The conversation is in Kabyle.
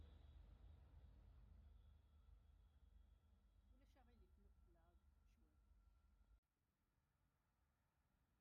Ulac aɣilif ma tbellɛeḍ cwiṭ?